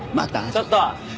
ちょっと！